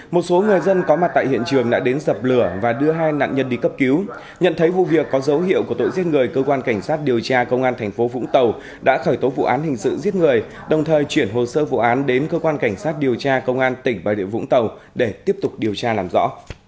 một số người dân có mặt tại hiện trường đã đến dập lửa và đưa hai nạn nhân đi cấp cứu nhận thấy vụ việc có dấu hiệu của tội giết người cơ quan cảnh sát điều tra công an thành phố vũng tàu đã khởi tố vụ án hình sự giết người đồng thời chuyển hồ sơ vụ án đến cơ quan cảnh sát điều tra công an tỉnh bà địa vũng tàu để tiếp tục điều tra làm rõ